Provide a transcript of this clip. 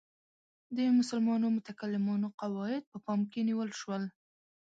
د مسلمانو متکلمانو قواعد په پام کې نیول شو.